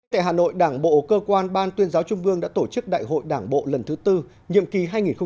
tại hà nội đảng bộ cơ quan ban tuyên giáo trung ương đã tổ chức đại hội đảng bộ lần thứ tư nhiệm kỳ hai nghìn hai mươi hai nghìn hai mươi năm